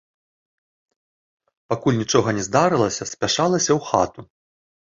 Пакуль нічога не здарылася, спяшалася ў хату.